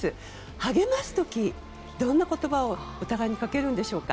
励ます時、どんな言葉をお互いにかけるんでしょうか。